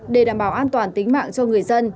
để đảm bảo an toàn tính mạng cho người dân